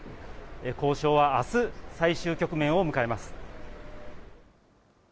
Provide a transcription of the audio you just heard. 交渉はあす、最終局面を迎えます。